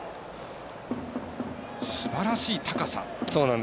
すばらしい高さ。